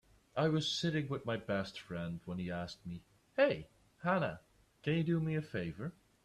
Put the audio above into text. I was sitting with my best friend when he asked me, "Hey Hannah, can you do me a favor?"